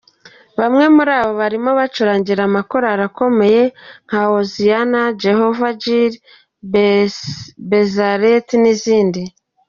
Bamwe muri abo barimo bacurangira amakorali akomeye nka Hoziyana, Jehovah Jireh, Besarele n’izindi.